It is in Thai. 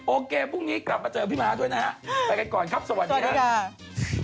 โอเคพรุ่งนี้กลับมาเจอพี่ม้าด้วยนะฮะไปกันก่อนครับสวัสดีครับ